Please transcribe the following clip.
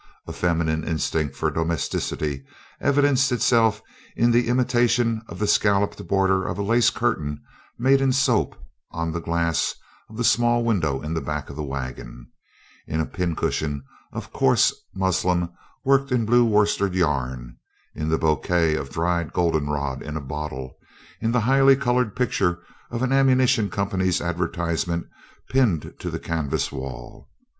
A feminine instinct for domesticity evidenced itself in the imitation of the scalloped border of a lace curtain made in soap on the glass of the small window in the back of the wagon, in a pin cushion of coarse muslin worked in blue worsted yarn, in the bouquet of dried goldenrod in a bottle, in the highly colored picture of an ammunition company's advertisement pinned to the canvas wall.